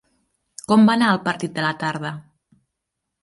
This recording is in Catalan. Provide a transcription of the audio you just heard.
Com va anar el partit de la tarda?